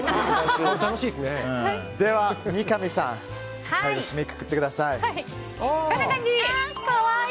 では三上さん最後締めくくってください。